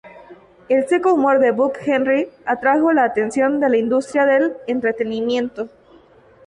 El seco humor de Buck Henry atrajo la atención de la industria del entretenimiento.